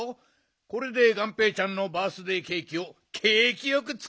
これでがんぺーちゃんのバースデーケーキをけいきよくつくるからね。